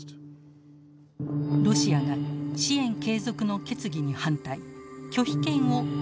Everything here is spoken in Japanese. ロシアが支援継続の決議に反対拒否権を行使したのです。